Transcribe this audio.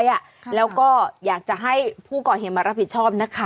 แล้วก็อยากจะให้ผู้ก่อเหตุมารับผิดชอบนะคะ